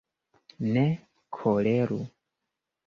ne koleru.